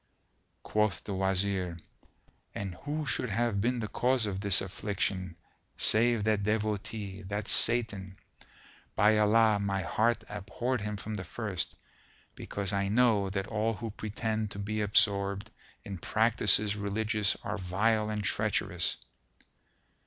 Quoth the Wazir, "And who should have been the cause of this affliction, save that Devotee, that Satan? By Allah, my heart abhorred him from the first, because I know that all who pretend to be absorbed in practices religious are vile and treacherous!"